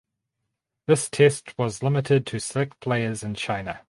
This test was limited to select players in China.